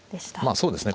そうですね